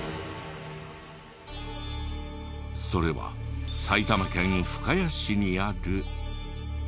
それは埼玉県深谷市にある。